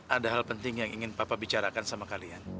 ada hal penting yang ingin papa bicarakan sama kalian